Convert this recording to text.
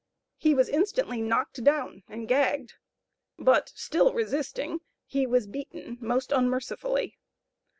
He was instantly knocked down and gagged; but, still resisting, he was beaten most unmercifully.